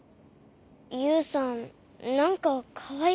ユウさんなんかかわいそう。